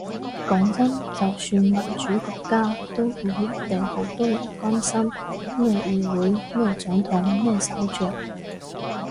講真，就算民主國家，都唔一定好多人關心咩議會咩總統咩首相